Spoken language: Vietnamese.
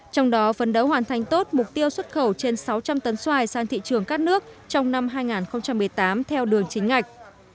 trong đó phấn đấu hoàn thành tốt mục tiêu xuất khẩu trên sáu trăm linh tấn xoài sang thị trường các nước trong năm hai nghìn một mươi tám theo đường chính ngạch